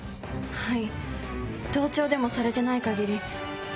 はい。